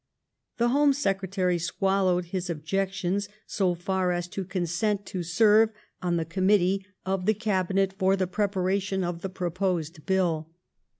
The Home Secretary swallowed his objed^ons so far as to consent to serre on the eommittee of the THE ABERDEEN MJNI8TBT. 149 Cabinet for the preparation of the proposed Bill.